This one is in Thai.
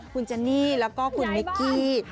คุณเจนนี่แล้วก็คุณมิกกี้